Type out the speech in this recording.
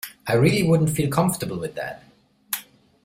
I really wouldn't feel comfortable with that.